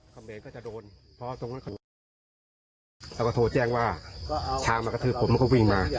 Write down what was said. กลับมาโทรแจ้งว่าชาวมันกระทืบผมมันก็วิ่งมา